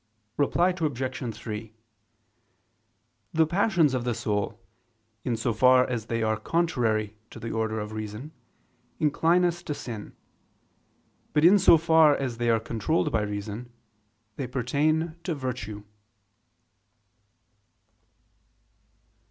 Reply Obj. 3: The passions of the soul, in so far as they are contrary to the order of reason, incline us to sin: but in so far as they are controlled by reason, they pertain to virtue.